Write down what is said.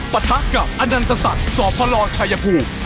ปะทะกับอนันตสัตว์สอบพระรอชัยภูมิ